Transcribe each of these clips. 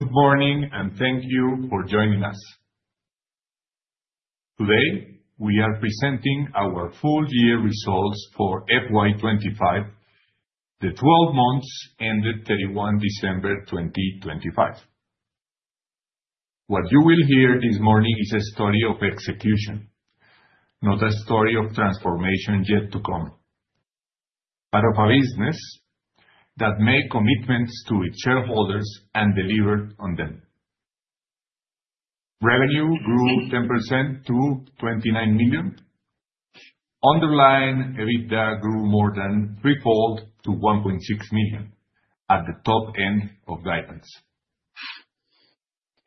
Good morning and thank you for joining us. Today, we are presenting our full year results for FY 2025, the 12 months ended 31 December 2025. What you will hear this morning is a story of execution, not a story of transformation yet to come, but of a business that made commitments to its shareholders and delivered on them. Revenue grew 10% to 29 million. Underlying EBITDA grew more than threefold to 1.6 million at the top end of guidance.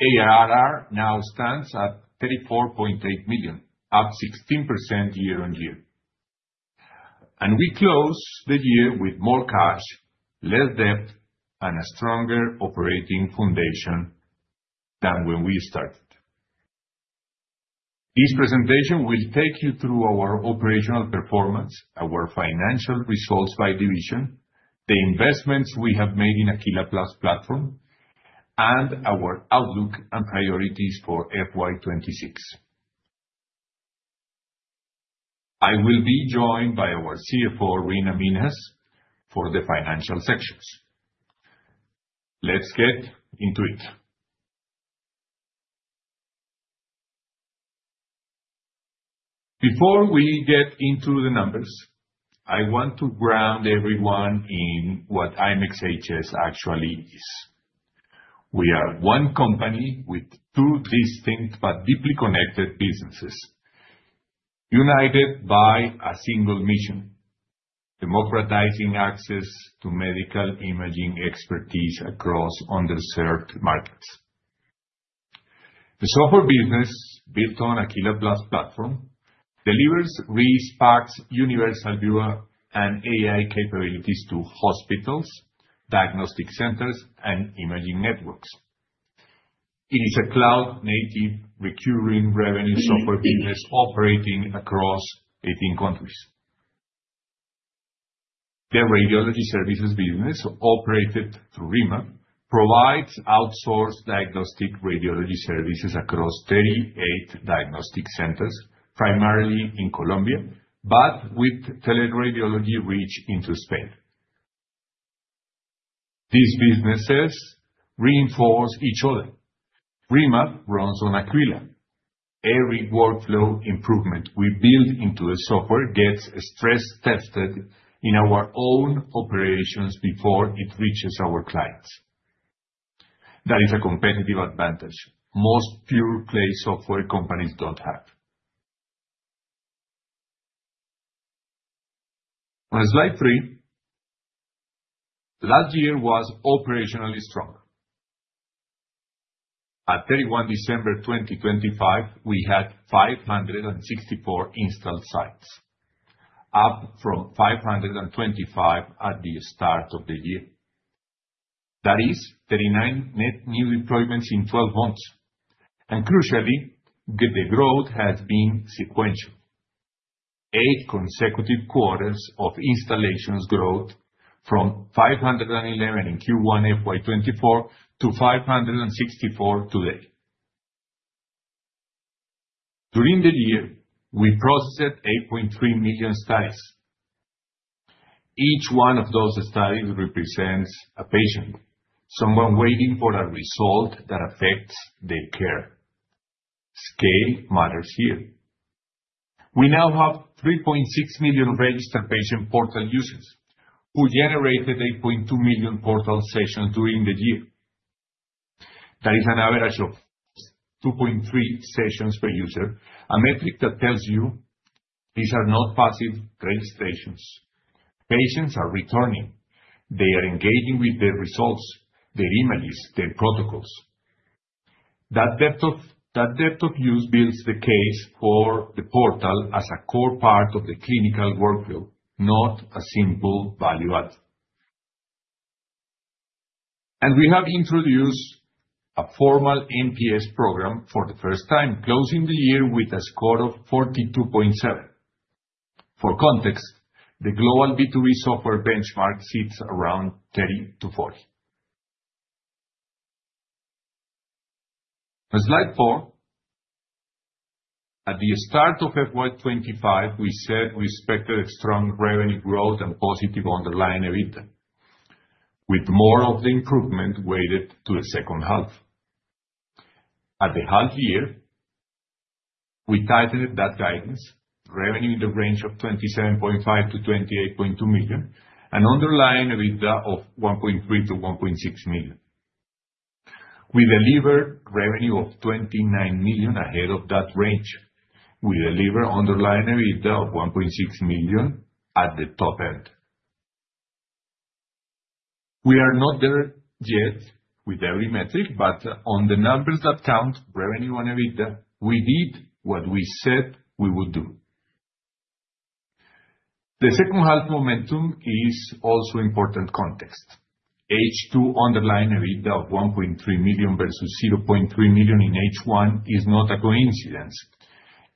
ARR now stands at 34.8 million, up 16% year-on-year. We close the year with more cash, less debt, and a stronger operating foundation than when we started. This presentation will take you through our operational performance, our financial results by division, the investments we have made in Aquila+ platform, and our outlook and priorities for FY 2026. I will be joined by our CFO, Reena Minhas, for the financial sections. Let's get into it. Before we get into the numbers, I want to ground everyone in what IMEXHS actually is. We are one company with two distinct but deeply connected businesses, united by a single mission, democratizing access to medical imaging expertise across underserved markets. The software business built on Aquila+ platform delivers RIS, PACS, universal viewer, and AI capabilities to hospitals, diagnostic centers, and imaging networks. It is a cloud native recurring revenue software business operating across 18 countries. The radiology services business operated through RIMAB provides outsourced diagnostic radiology services across 38 diagnostic centers, primarily in Colombia, but with teleradiology reach into Spain. These businesses reinforce each other. RIMAB runs on Aquila+. Every workflow improvement we build into the software gets stress tested in our own operations before it reaches our clients. That is a competitive advantage most pure play software companies don't have. On slide 3, last year was operationally strong. At 31 December 2025, we had 564 installed sites, up from 525 at the start of the year. That is 39 net new employments in 12 months. Crucially, the growth has been sequential. Eight consecutive quarters of installations growth from 511 in Q1 FY 2024 to 564 today. During the year, we processed 8.3 million studies. Each one of those studies represents a patient, someone waiting for a result that affects their care. Scale matters here. We now have 3.6 million registered patient portal users who generated 8.2 million portal sessions during the year. That is an average of 2.3 sessions per user. A metric that tells you these are not passive registrations. Patients are returning. They are engaging with their results, their images, their protocols. That depth of use builds the case for the portal as a core part of the clinical workflow, not a simple value add. We have introduced a formal NPS program for the first time, closing the year with a score of 42.7. For context, the global B2B software benchmark sits around 30-40. On slide 4, at the start of FY 2025, we said we expected strong revenue growth and positive underlying EBITDA, with more of the improvement weighted to the second half. At the half year, we tightened that guidance, revenue in the range of 27.5 million-28.2 million and underlying EBITDA of 1.3 million-1.6 million. We delivered revenue of 29 million ahead of that range. We delivered underlying EBITDA of 1.6 million at the top end. We are not there yet with every metric, but on the numbers that count, revenue and EBITDA, we did what we said we would do. The second half momentum is also important context. H2 underlying EBITDA of 1.3 million versus 0.3 million in H1 is not a coincidence.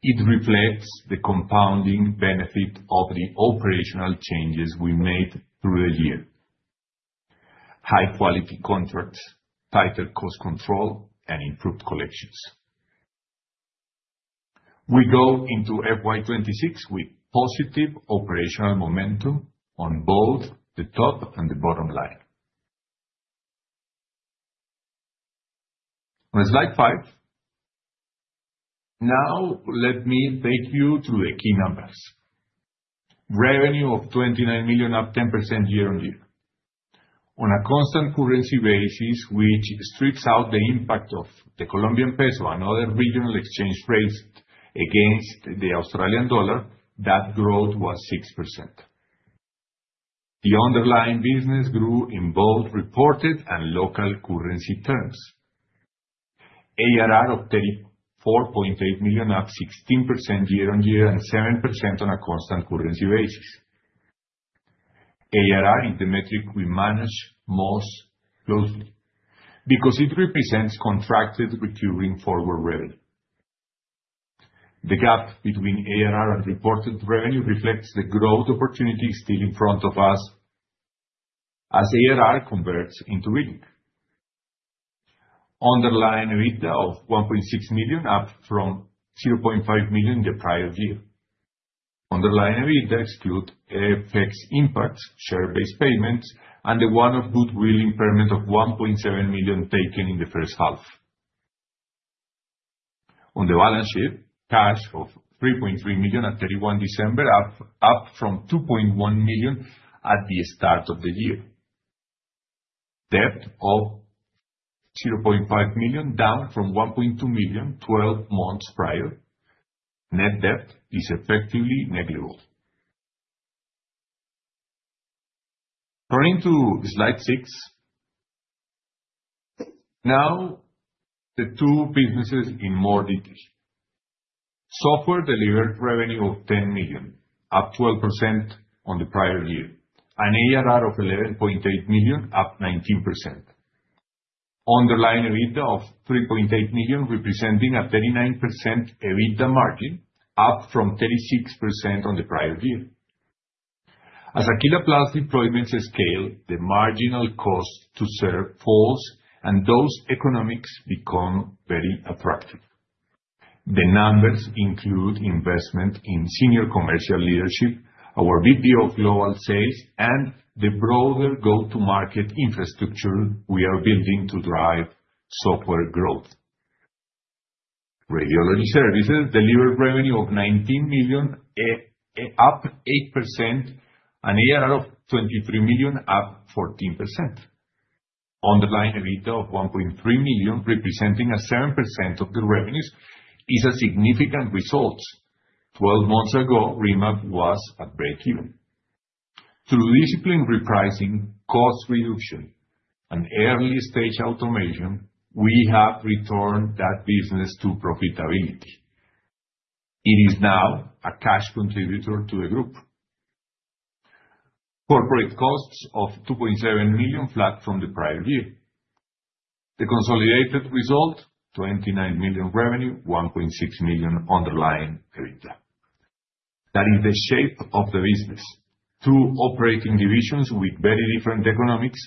It reflects the compounding benefit of the operational changes we made through the year. High quality contracts, tighter cost control, and improved collections. We go into FY 2026 with positive operational momentum on both the top and the bottom line. On slide 5. Let me take you through the key numbers. Revenue of 29 million, up 10% year-on-year. On a constant currency basis, which strips out the impact of the Colombian peso and other regional exchange rates against the Australian dollar, that growth was 6%. The underlying business grew in both reported and local currency terms. ARR obtained 4.8 million, up 16% year-on-year, and 7% on a constant currency basis. ARR is the metric we manage most closely because it represents contracted recurring forward revenue. The gap between ARR and reported revenue reflects the growth opportunity still in front of us as ARR converts into billing. Underlying EBITDA of 1.6 million, up from 0.5 million the prior year. Underlying EBITDA exclude FX impacts, share-based payments, and the one-off goodwill impairment of 1.7 million taken in the first half. On the balance sheet, cash of 3.3 million at 31 December, up from 2.1 million at the start of the year. Debt of 0.5 million, down from 1.2 million 12 months prior. Net debt is effectively negligible. Turning to slide 6. The two businesses in more detail. Software delivered revenue of 10 million, up 12% on the prior year. ARR of 11.8 million, up 19%. Underlying EBITDA of 3.8 million, representing a 39% EBITDA margin, up from 36% on the prior year. As Aquila+ deployments scale, the marginal cost to serve falls and those economics become very attractive. The numbers include investment in senior commercial leadership, our VP of Global Sales, and the broader go-to-market infrastructure we are building to drive software growth. Radiology services delivered revenue of 19 million, up 8%. An ARR of 23 million, up 14%. Underlying EBITDA of 1.3 million, representing 7% of the revenues, is a significant result. 12 months ago, RIMAB was at break-even. Through disciplined repricing, cost reduction, and early-stage automation, we have returned that business to profitability. It is now a cash contributor to the group. Corporate costs of 2.7 million, flat from the prior year. The consolidated result, 29 million revenue, 1.6 million underlying EBITDA. That is the shape of the business. Two operating divisions with very different economics,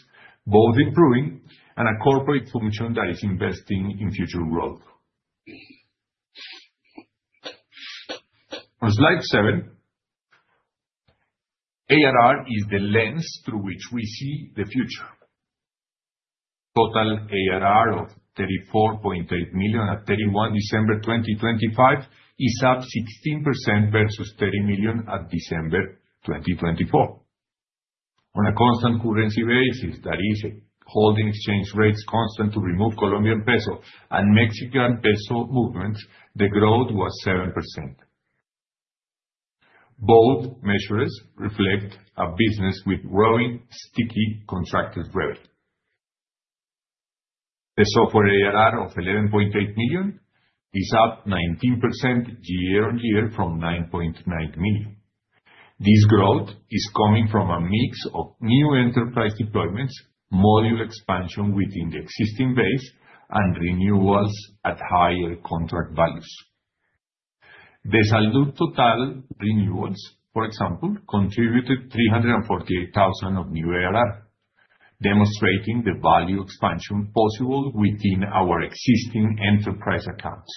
both improving, and a corporate function that is investing in future growth. On slide 7. ARR is the lens through which we see the future. Total ARR of 34.8 million at 31 December 2025 is up 16% versus 30 million at December 2024. On a constant currency basis, that is holding exchange rates constant to remove Colombian peso and Mexican peso movements, the growth was 7%. Both measures reflect a business with growing sticky contracted revenue. The software ARR of 11.8 million is up 19% year-on-year from 9.9 million. This growth is coming from a mix of new enterprise deployments, module expansion within the existing base, and renewals at higher contract values. The Salud Total renewals, for example, contributed 348 thousand of new ARR, demonstrating the value expansion possible within our existing enterprise accounts.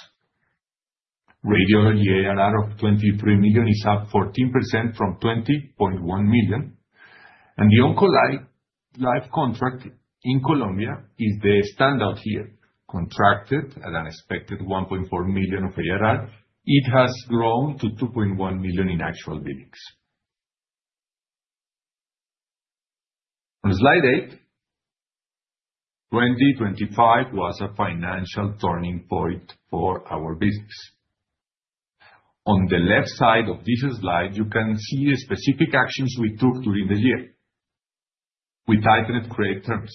Radiology ARR of 23 million is up 14% from 20.1 million. The Oncolife contract in Colombia is the standout here. Contracted at an expected 1.4 million of ARR, it has grown to 2.1 million in actual billings. On slide 8. 2025 was a financial turning point for our business. On the left side of this slide, you can see the specific actions we took during the year. We tightened credit terms.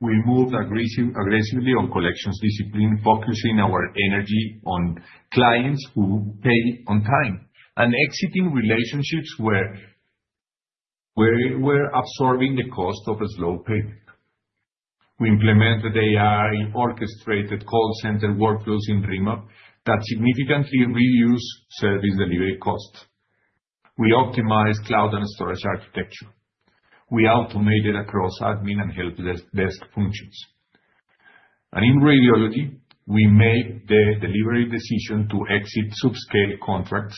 We moved aggressively on collections discipline, focusing our energy on clients who pay on time and exiting relationships where we're absorbing the cost of a slow payment. We implemented AI-orchestrated call center workflows in RIMAB that significantly reduce service delivery costs. We optimized cloud and storage architecture. We automated across admin and help desk functions. In radiology, we made the delivery decision to exit sub-scale contracts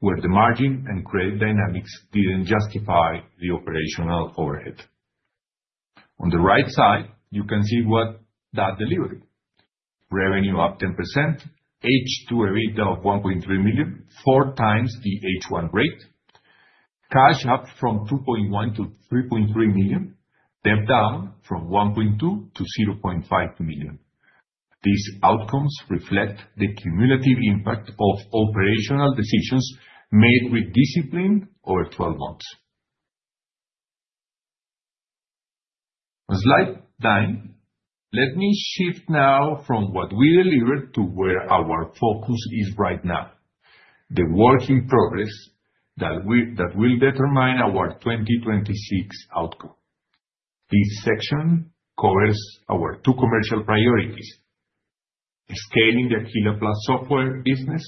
where the margin and credit dynamics didn't justify the operational overhead. On the right side, you can see what that delivered. Revenue up 10%. H2 EBITDA of 1.3 million, 4x the H1 rate. Cash up from 2.1 to 3.3 million. Debt down from 1.2 to 0.5 million. These outcomes reflect the cumulative impact of operational decisions made with discipline over 12 months. Slide 9. Let me shift now from what we delivered to where our focus is right now, the work in progress that will determine our 2026 outcome. This section covers our two commercial priorities, scaling the Aquila+ software business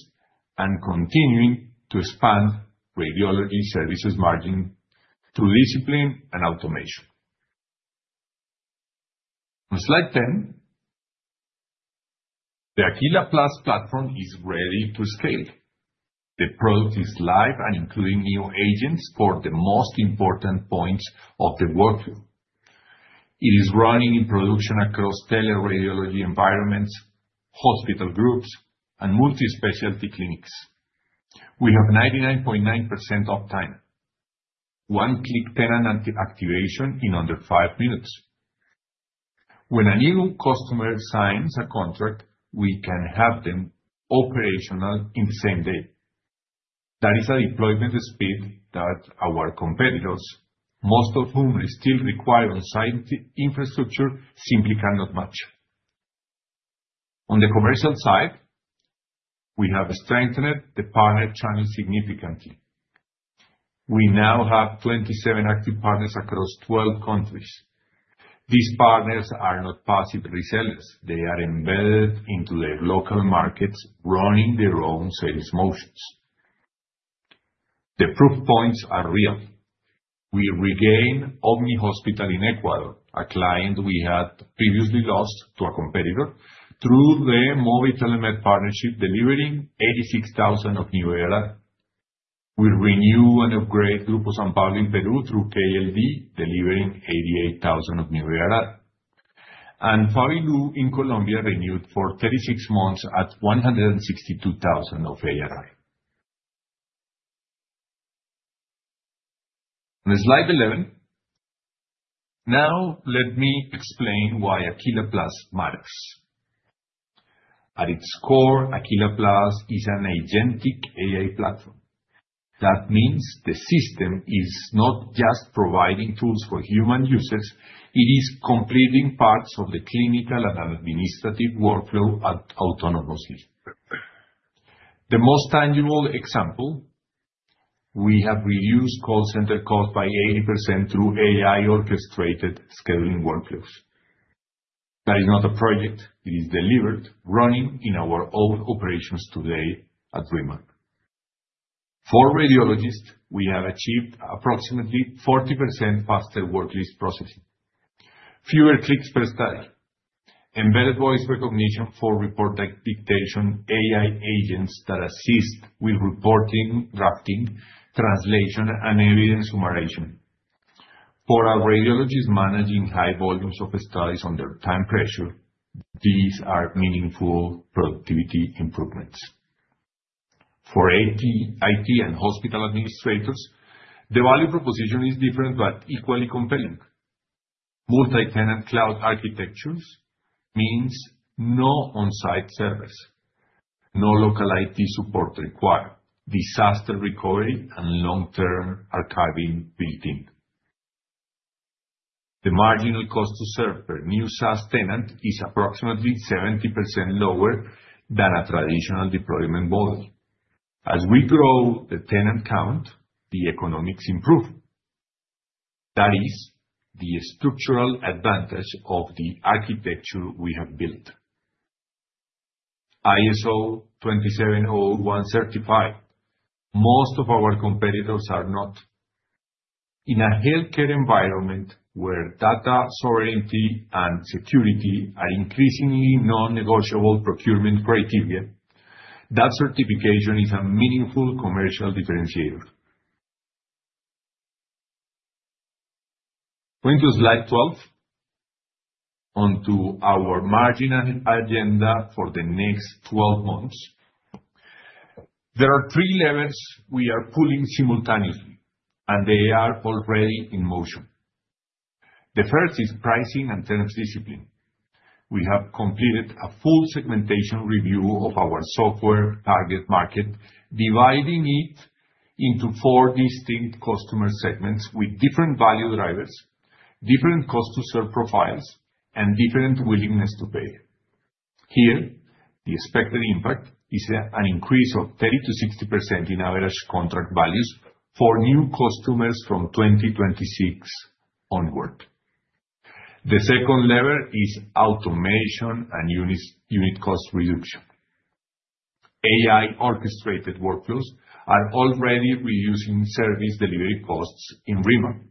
and continuing to expand radiology services margin through discipline and automation. On slide 10, the Aquila+ platform is ready to scale. The product is live and including new agents for the most important points of the workflow. It is running in production across teleradiology environments, hospital groups, and multi-specialty clinics. We have 99.9% uptime. One-click tenant anti-activation in under five minutes. When a new customer signs a contract, we can have them operational in the same day. That is a deployment speed that our competitors, most of whom still require on-site infrastructure, simply cannot match. On the commercial side, we have strengthened the partner channel significantly. We now have 27 active partners across 12 countries. These partners are not passive resellers. They are embedded into their local markets, running their own sales motions. The proof points are real. We regained OMNI Hospital in Ecuador, a client we had previously lost to a competitor, through the MobiHealth partnership, delivering 86,000 of new ARR. We renew and upgrade Grupo San Pablo in Peru through KLD Perú, delivering 88,000 of new ARR. Farilu in Colombia renewed for 36 months at 162,000 of ARR. On slide 11. Let me explain why Aquila+ matters. At its core, Aquila+ is an agentic AI platform. The system is not just providing tools for human users, it is completing parts of the clinical and administrative workflow at autonomously. The most tangible example, we have reduced call center costs by 80% through AI orchestrated scheduling workflows. It is not a project, it is delivered, running in our own operations today at RIMAB. For radiologists, we have achieved approximately 40% faster worklist processing, fewer clicks per study, embedded voice recognition for report dictation, AI agents that assist with reporting, drafting, translation, and evidence summarization. For our radiologists managing high volumes of studies under time pressure, these are meaningful productivity improvements. For IT and hospital administrators, the value proposition is different but equally compelling. Multi-tenant cloud architecture means no on-site service, no local IT support required, disaster recovery, and long-term archiving built in. The marginal cost to serve per new SaaS tenant is approximately 70% lower than a traditional deployment model. As we grow the tenant count, the economics improve. That is the structural advantage of the architecture we have built. ISO 27001 certified. Most of our competitors are not. In a healthcare environment where data sovereignty and security are increasingly non-negotiable procurement criteria, that certification is a meaningful commercial differentiator. Going to slide 12. Onto our marginal agenda for the next 12 months. There are three levers we are pulling simultaneously, and they are already in motion. The first is pricing and terms discipline. We have completed a full segmentation review of our software target market, dividing it into four distinct customer segments with different value drivers, different cost to serve profiles, and different willingness to pay. Here, the expected impact is an increase of 30%-60% in average contract values for new customers from 2026 onward. The second lever is automation and unit cost reduction. AI orchestrated workflows are already reducing service delivery costs in remote.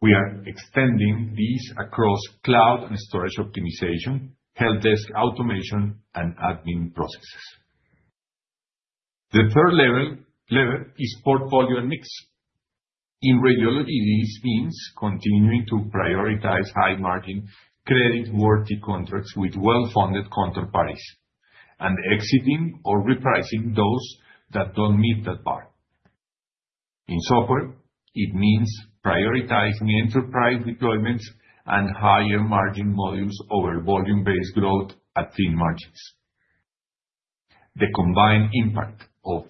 We are extending these across cloud and storage optimization, helpdesk automation, and admin processes. The third lever is portfolio mix. In radiology, this means continuing to prioritize high-margin creditworthy contracts with well-funded counterparties and exiting or repricing those that don't meet that bar. In software, it means prioritizing enterprise deployments and higher margin volumes over volume-based growth at thin margins. The combined impact of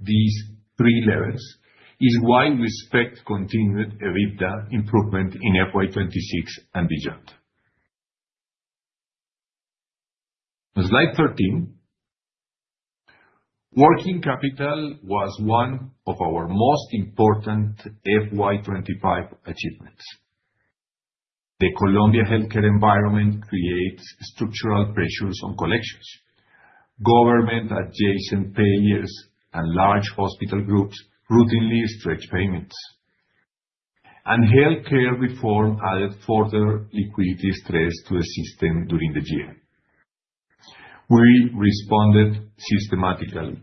these three levers is why we expect continued EBITDA improvement in FY 2026 and beyond. Slide 13, working capital was one of our most important FY 2025 achievements. The Colombia healthcare environment creates structural pressures on collections. Government adjacent payers and large hospital groups routinely stretch payments. Healthcare reform added further liquidity stress to the system during the year. We responded systematically.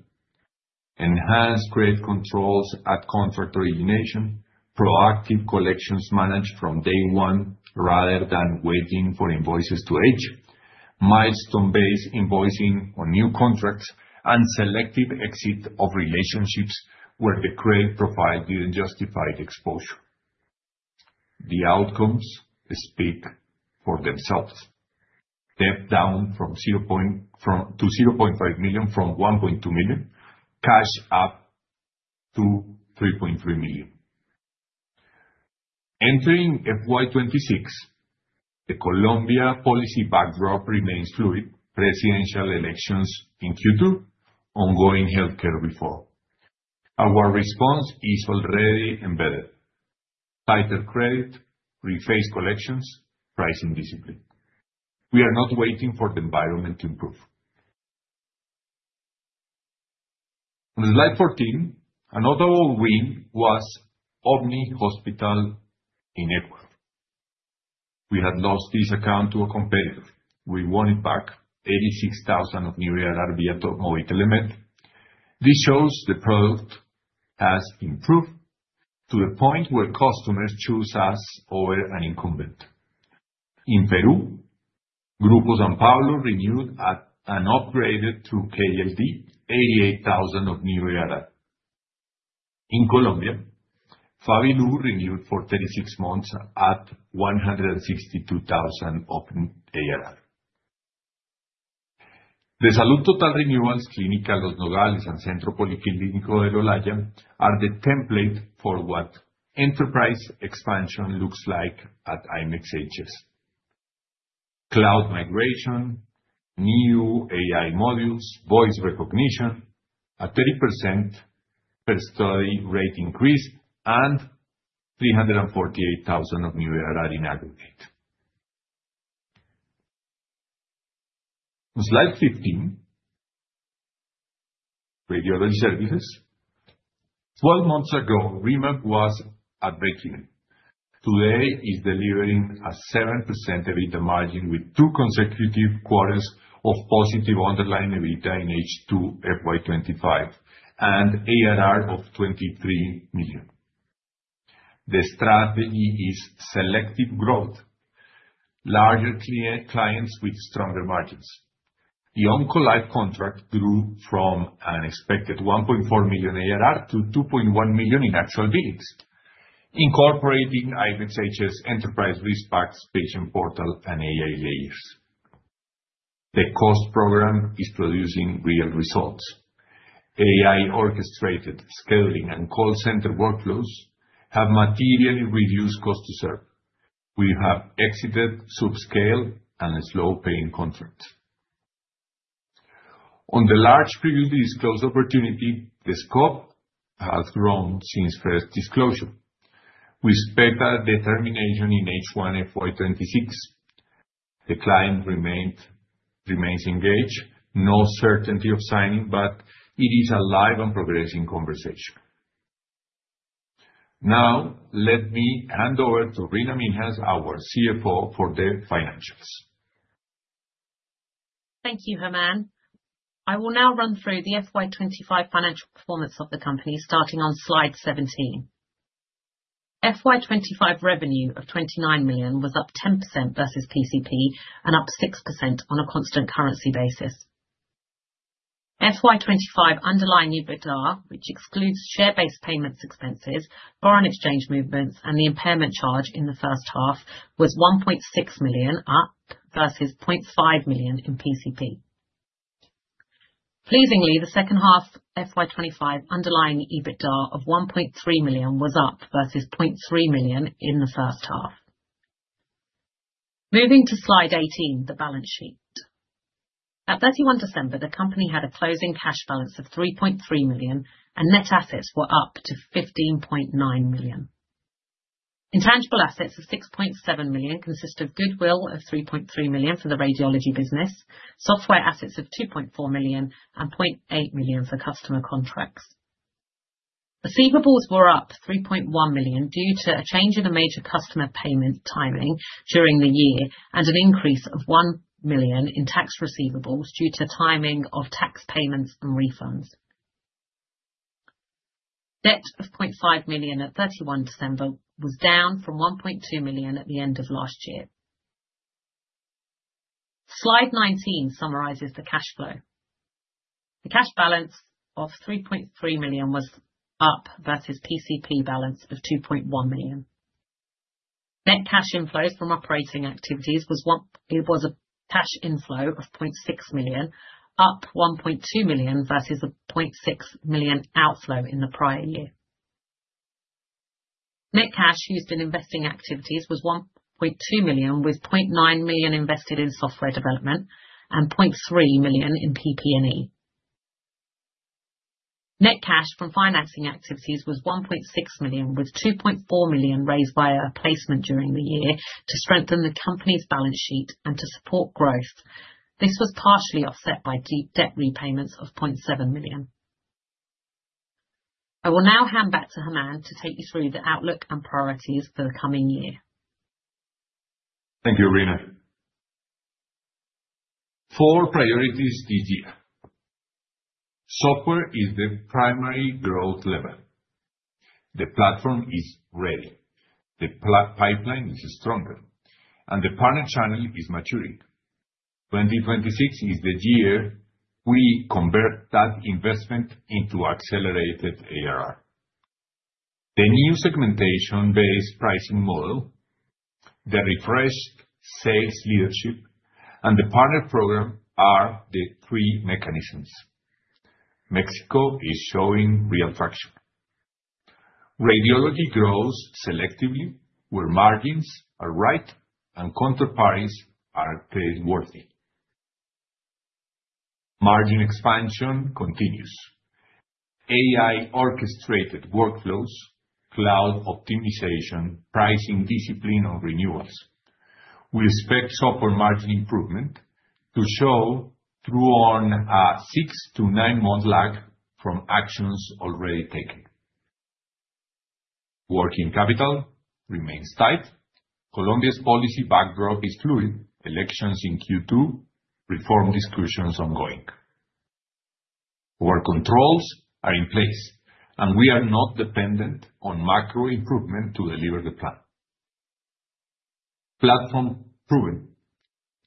Enhanced credit controls at contract origination, proactive collections managed from day one rather than waiting for invoices to age, milestone-based invoicing on new contracts, and selective exit of relationships where the credit profile didn't justify the exposure. The outcomes speak for themselves. Debt down to 0.5 million from 1.2 million. Cash up to 3.3 million. Entering FY 2026, the Colombia policy backdrop remains fluid. Presidential elections in Q2, ongoing healthcare reform. Our response is already embedded. Tighter credit, rephased collections, pricing discipline. We are not waiting for the environment to improve. Slide 14. Another win was Omni Hospital in Ecuador. We had lost this account to a competitor. We won it back. 86,000 of new ARR at annual run rate. This shows the product has improved to a point where customers choose us over an incumbent. In Peru, Grupo San Pablo renewed at and upgraded through KLD 88,000 of new ARR. In Colombia, Farilu renewed for 36 months at 162,000 of new ARR. The Salud Total renewals, Clínica Los Nogales and Centro Policlínico del Olaya, are the template for what enterprise expansion looks like at IMEXHS. Cloud migration, new AI modules, voice recognition at 30% per story rate increase and 348,000 of new ARR in aggregate. Slide 15. Radiology services. Twelve months ago, RIMAB was at breaking. Today is delivering a 7% EBITDA margin with two consecutive quarters of positive underlying EBITDA in H2 FY 2025 and ARR of 23 million. The strategy is selective growth, larger clients with stronger margins. The Oncollife contract grew from an expected 1.4 million ARR to 2.1 million in actual bills, incorporating IMEXHS enterprise risk packs, patient portal, and AI layers. The cost program is producing real results. AI orchestrated scheduling and call center workflows have materially reduced cost to serve. We have exited subscale and slow paying contracts. On the large previously disclosed opportunity, the scope has grown since first disclosure. We expect that determination in H1 FY 2026. The client remains engaged. No certainty of signing, but it is a live and progressing conversation. Let me hand over to Reena Minhas, our CFO, for the financials. Thank you, German. I will now run through the FY 2025 financial performance of the company, starting on slide 17. FY 2025 revenue of 29 million was up 10% versus PCP and up 6% on a constant currency basis. FY 2025 underlying EBITDA, which excludes share-based payments, expenses, foreign exchange movements, and the impairment charge in the first half was 1.6 million, up versus 0.5 million in PCP. Pleasingly, the second half FY 2025 underlying EBITDA of 1.3 million was up versus 0.3 million in the first half. Moving to slide 18, the balance sheet. At 31 December, the company had a closing cash balance of 3.3 million, and net assets were up to 15.9 million. Intangible assets of 6.7 million consist of goodwill of 3.3 million for the radiology business, software assets of 2.4 million, and 0.8 million for customer contracts. Receivables were up 3.1 million due to a change in the major customer payment timing during the year and an increase of 1 million in tax receivables due to timing of tax payments and refunds. Debt of 0.5 million at 31 December was down from 1.2 million at the end of last year. Slide 19 summarizes the cash flow. The cash balance of 3.3 million was up versus PCP balance of 2.1 million. Net cash inflows from operating activities was a cash inflow of 0.6 million, up 1.2 million versus a 0.6 million outflow in the prior year. Net cash used in investing activities was 1.2 million, with 0.9 million invested in software development and 0.3 million in PP&E. Net cash from financing activities was 1.6 million, with 2.4 million raised by a placement during the year to strengthen the company's balance sheet and to support growth. This was partially offset by de-debt repayments of 0.7 million. I will now hand back to German to take you through the outlook and priorities for the coming year. Thank you, Reena. Four priorities this year. Software is the primary growth lever. The platform is ready, the pipeline is stronger, the partner channel is maturing. 2026 is the year we convert that investment into accelerated ARR. The new segmentation-based pricing model, the refreshed sales leadership, the partner program are the three mechanisms. Mexico is showing real traction. Radiology grows selectively where margins are right and counterparties are trustworthy. Margin expansion continues. AI orchestrated workflows, cloud optimization, pricing discipline on renewals. We expect software margin improvement to show through on a six to nine month lag from actions already taken. Working capital remains tight. Colombia's policy backdrop is fluid. Elections in Q2, reform discussions ongoing. Our controls are in place, we are not dependent on macro improvement to deliver the plan. Platform proven.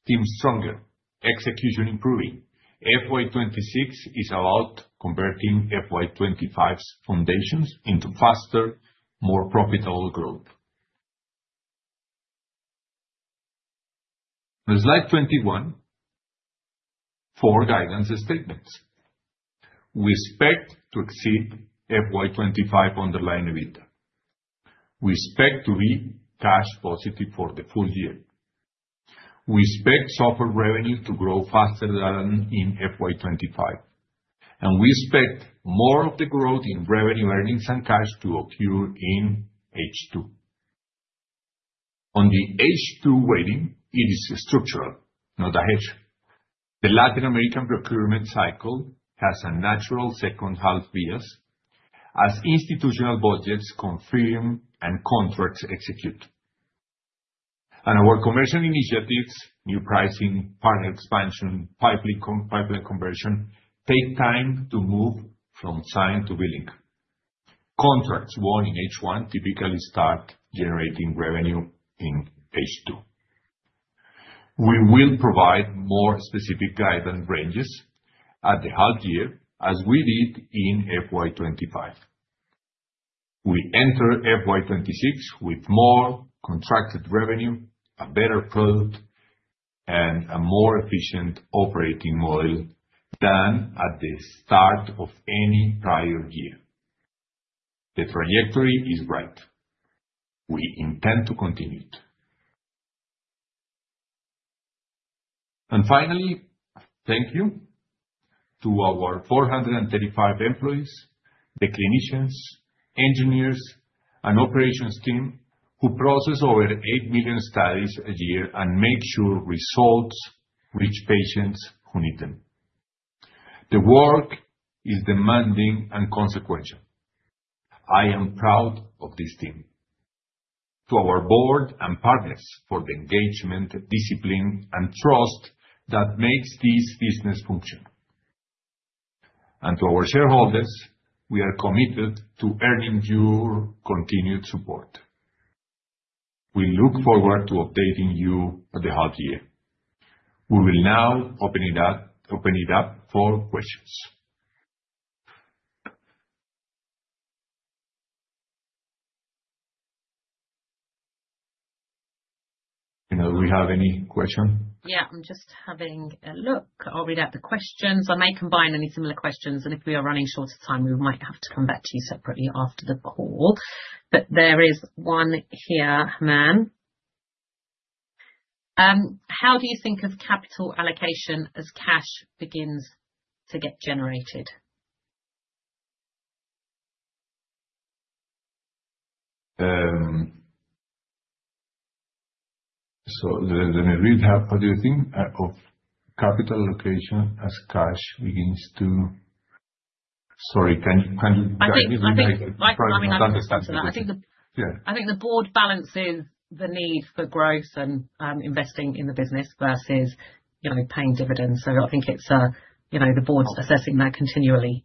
Team stronger. Execution improving. FY 2026 is about converting FY 2025's foundations into faster, more profitable growth. Slide 21, four guidance statements. We expect to exceed FY 2025 underlying EBITDA. We expect to be cash positive for the full year. We expect software revenue to grow faster than in FY 2025, and we expect more of the growth in revenue, earnings, and cash to occur in H2. On the H2 weighting, it is structural, not a hedge. The Latin American procurement cycle has a natural second half bias as institutional budgets confirm and contracts execute. Our commercial initiatives, new pricing, partner expansion, pipeline conversion, take time to move from sign to billing. Contracts won in H1 typically start generating revenue in H2. We will provide more specific guidance ranges at the half year as we did in FY 2025. We enter FY 2026 with more contracted revenue, a better product, and a more efficient operating model than at the start of any prior year. The trajectory is bright. We intend to continue it. Finally, thank you to our 435 employees, the clinicians, engineers, and operations team who process over 8 million studies a year and make sure results reach patients who need them. The work is demanding and consequential. I am proud of this team. To our board and partners for the engagement, discipline, and trust that makes this business function. To our shareholders, we are committed to earning your continued support. We look forward to updating you at the half year. We will now open it up for questions. You know, do we have any question? Yeah, I'm just having a look. I'll read out the questions. I may combine any similar questions, and if we are running short of time, we might have to come back to you separately after the call. There is one here, Germán. How do you think of capital allocation as cash begins to get generated? Let me read that. How do you think of capital allocation as cash begins to... Sorry- I think, like, I mean. For understanding. Yeah. I think the board balances the need for growth and, investing in the business versus, you know, paying dividends. I think it's, you know, the board's assessing that continually.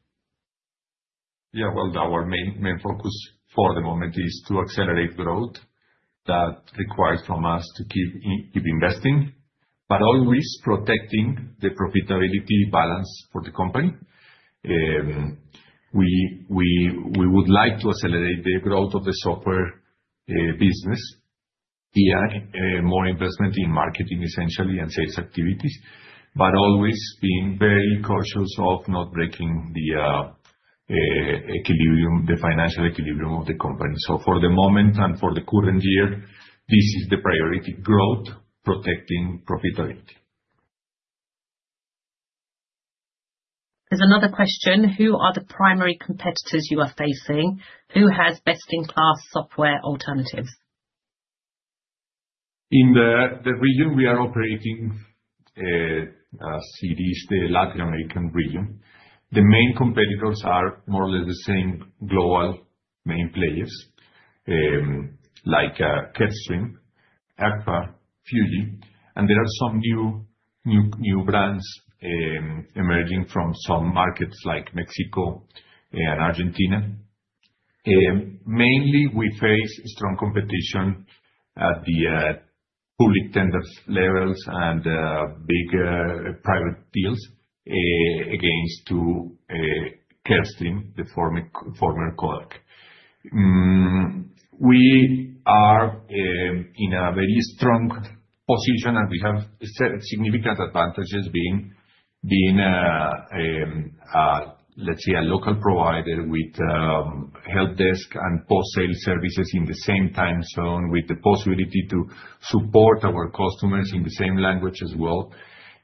Well, our main focus for the moment is to accelerate growth. That requires from us to keep investing, but always protecting the profitability balance for the company. We would like to accelerate the growth of the software business. More investment in marketing essentially and sales activities, but always being very cautious of not breaking the equilibrium, the financial equilibrium of the company. For the moment and for the current year, this is the priority growth, protecting profitability. There's another question. Who are the primary competitors you are facing? Who has best in class software alternatives? In the region we are operating, cities, the Latin American region, the main competitors are more or less the same global main players, like Carestream, EPPA, Fujifilm. There are some new brands emerging from some markets like Mexico and Argentina. Mainly we face strong competition at the public tenders levels and bigger private deals against to Carestream, the former colleague. We are in a very strong position, and we have significant advantages, let's say a local provider with help desk and post-sale services in the same time zone, with the possibility to support our customers in the same language as well.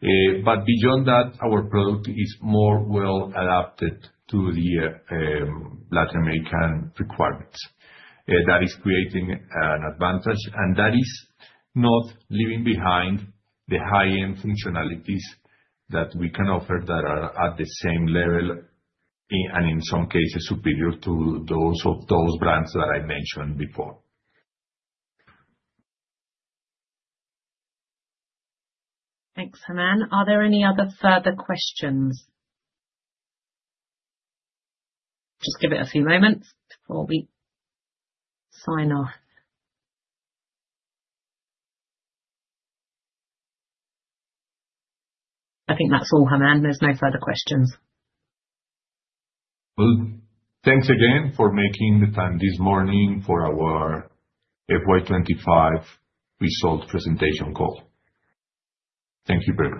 Beyond that, our product is more well adapted to the Latin American requirements, that is creating an advantage, and that is not leaving behind the high-end functionalities that we can offer that are at the same level and in some cases superior to those of those brands that I mentioned before. Thanks, Germán. Are there any other further questions? Just give it a few moments before we sign off. I think that's all, Germán. There's no further questions. Well, thanks again for making the time this morning for our FY 2025 result presentation call. Thank you very much.